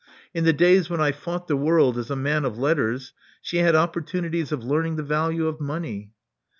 In the days when I fought the world as a man of letters, she had opportunities of learning the value of money."